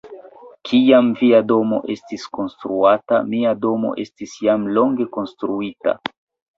Kiam via domo estis konstruata, mia domo estis jam longe konstruita.